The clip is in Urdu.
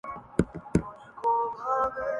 امریکہ اور اس کے تمام اتحادی اس جہاد میں شریک کار تھے۔